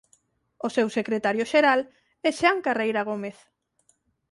O seu secretario xeral é Xan Carreira Gómez.